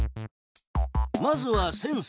まずはセンサ。